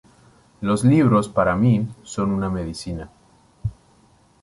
Los libros, para mi, son una medicina.